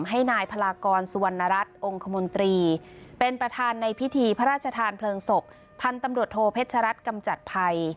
ให้นายพลากรสุวรรณรัฐองค์คมนตรีเป็นประธานในพิธีพระราชทานเพลิงศพพันธุ์ตำรวจโทเพชรัตน์กำจัดภัย